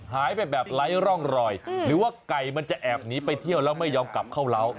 หายไปแบบไร้ร่องรอยหรือว่าไก่มันจะแอบหนีไปเที่ยวแล้วไม่ยอมกลับเข้าเล้า